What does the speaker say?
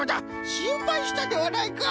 しんぱいしたではないか！」。